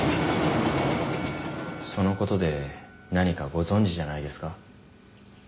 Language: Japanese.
そのことで何かご存じじゃないですか？